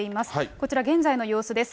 こちら、現在の様子です。